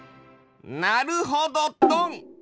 なるほどドン！